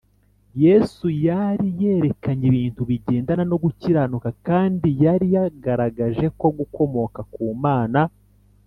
yesu yari yerekanye ibintu bigendana no gukiranuka kandi yari yagaragaje ko gukomoka ku mana